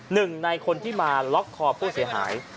หนึ่งในคนที่มาล็อกคอผู้เสียหาย